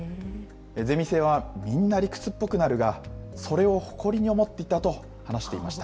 ゼミ生はみんな理屈っぽくなるが、それを誇りに思っていたと話していました。